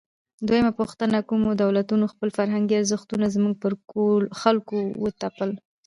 دویمه پوښتنه: کومو دولتونو خپل فرهنګي ارزښتونه زموږ پر خلکو وتپل؟